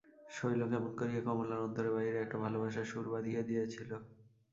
শৈল কেমন করিয়া কমলার অন্তরে-বাহিরে একটা ভালোবাসার সুর বাঁধিয়া দিয়াছিল।